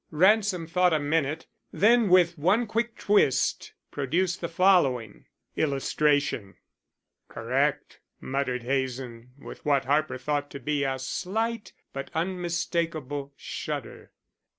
Ransom thought a minute, then with one quick twist produced the following: "Correct," muttered Hazen, with what Harper thought to be a slight but unmistakable shudder.